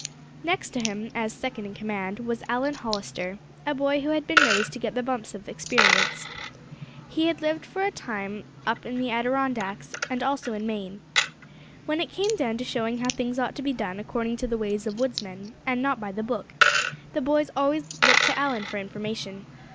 Next to him, as second in command, was Allan Hollister, a boy who had been raised to get the bumps of experience. He had lived for a time up in the Adirondacks, and also in Maine. When it came down to showing how things ought to be done according to the ways of woodsmen, and not by the book, the boys always looked to Allan for information.